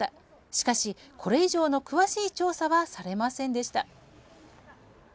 しかし、これ以上の詳しい調査はされませんでした。